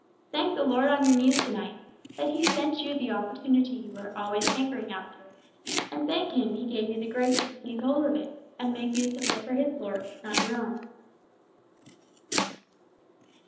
Thank the Lord on your knees to night, that He sent you the opportunity you were always hankering after; and thank Him He gave you the grace to seize hold of it, and make use of it for His Glory, not your own!"